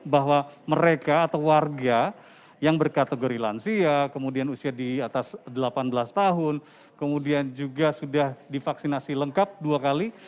bahwa mereka atau warga yang berkategori lansia kemudian usia di atas delapan belas tahun kemudian juga sudah divaksinasi lengkap dua kali